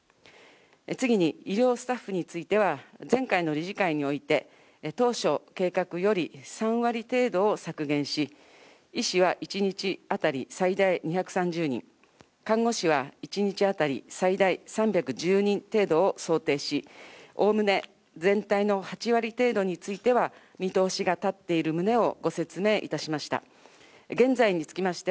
次に医療スタッフについては、前回の理事会において、当初計画より、３割程度を削減し、医師は１日当たり最大２３０人、看護師は１日当たり最大３１０人程度を想定し、おおむね全体の８割程度については見通しが立っている旨をご説明いたしました。